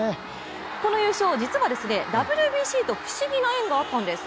この優勝、実はＷＢＣと不思議な縁があったんです。